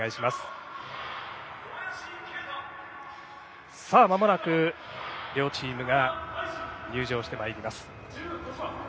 まもなく両チームが入場してまいります。